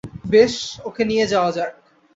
বেশ, ওকে নিয়ে যাওয়া যাক।